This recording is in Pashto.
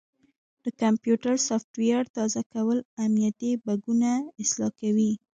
د کمپیوټر سافټویر تازه کول امنیتي بګونه اصلاح کوي.